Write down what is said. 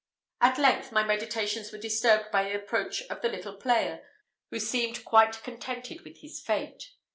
At length my meditations were disturbed by the approach of the little player, who seemed quite contented with his fate.